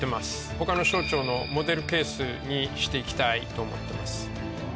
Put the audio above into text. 他の省庁のモデルケースにして行きたいと思ってます。